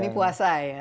ini puasa ya